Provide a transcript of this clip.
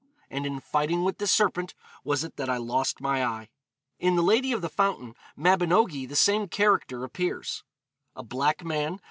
And in fighting with this serpent was it that I lost my eye.' In the 'Lady of the Fountain' mabinogi the same character appears: 'a black man